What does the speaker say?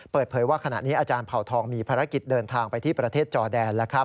เปิดเผยว่าขณะนี้อาจารย์เผ่าทองมีภารกิจเดินทางไปที่ประเทศจอแดน